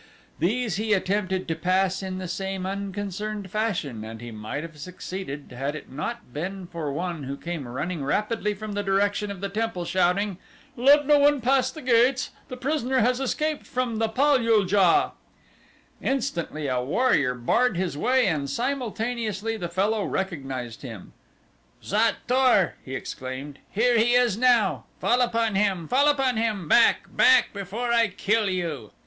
These he attempted to pass in the same unconcerned fashion and he might have succeeded had it not been for one who came running rapidly from the direction of the temple shouting: "Let no one pass the gates! The prisoner has escaped from the pal ul JA!" Instantly a warrior barred his way and simultaneously the fellow recognized him. "Xot tor!" he exclaimed: "Here he is now. Fall upon him! Fall upon him! Back! Back before I kill you."